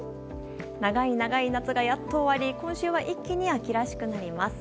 長い長い夏がやっと終わり今週は一気に秋らしくなります。